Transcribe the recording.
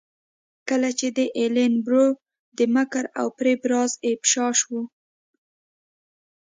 کله چې د ایلن برو د مکر او فریب راز افشا شو.